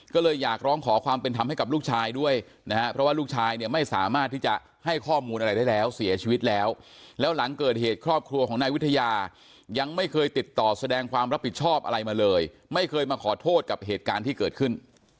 ก็เลยอยากร้องขอความเป็นธรรมให้กับลูกชายด้วยนะฮะเพราะว่าลูกชายเนี่ยไม่สามารถที่จะให้ข้อมูลอะไรได้แล้วเสียชีวิตแล้วแล้วหลังเกิดเหตุครอบครัวของนายวิทยายังไม่เคยติดต่อแสดงความรับผิดชอบอะไรมาเลยไม่เคยมาขอโทษกับเหตุการณ์ที่เกิดขึ้น